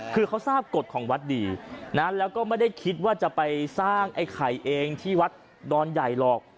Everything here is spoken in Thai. คือเขาทราบกฎของวัดดีนะแล้วก็ไม่ได้คิดว่าจะไปสร้างไอ้ไข่เองที่วัดดอนใหญ่หรอก